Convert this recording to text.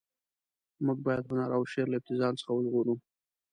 موږ باید هنر او شعر له ابتذال څخه وژغورو.